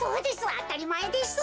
あたりまえです。